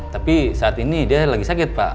tapi saat ini dia lagi sakit pak